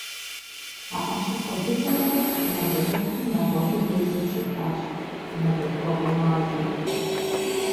А Ӏэщыхъуэ дыдэхэр мэлыжьыхьым нэгъуэщӀу еджэу щытащ - мэллъхуэгъуэ мазэ.